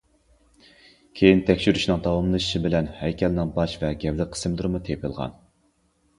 كېيىن تەكشۈرۈشنىڭ داۋاملىشىشى بىلەن ھەيكەلنىڭ باش ۋە گەۋدە قىسىملىرىمۇ تېپىلغان.